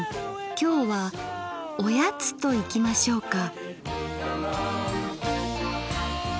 今日はおやつといきましょうか。